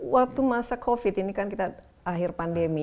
waktu masa covid ini kan kita akhir pandemi